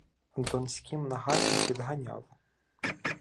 Донським нагаєм підганяв.